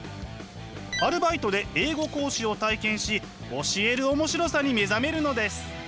アルバイトで英語講師を体験し教える面白さに目覚めるのです。